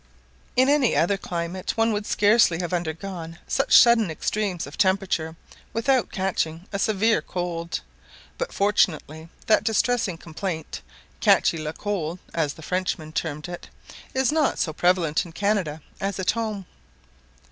In any other climate one would scarcely have undergone such sudden extremes of temperature without catching a severe cold; but fortunately that distressing complaint catchee le cold, as the Frenchman termed it, is not so prevalent in Canada as at home.